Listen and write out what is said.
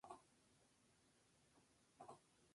Organizó varios actos de confraternidad hispanoargentina.